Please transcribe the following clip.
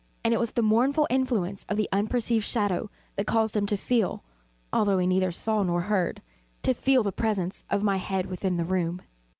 And it was the mournful influence of the unperceived shadow that caused him to feel although he neither saw nor heard to feel the presence of my head within the room.